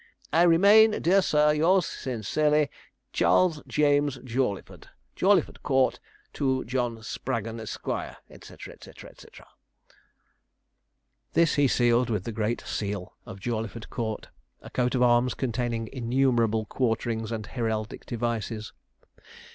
'I remain, dear sir, yours sincerely, 'CHARLES JAMES JAWLEYFORD, 'Jawleyford Court. 'TO JOHN SPRAGGON, ESQ., &c. &c. &c.' This he sealed with the great seal of Jawleyford Court a coat of arms containing innumerable quarterings and heraldic devices.